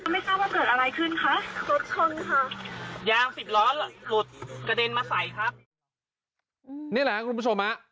นี่แหละครับคุณผู้ชมครับ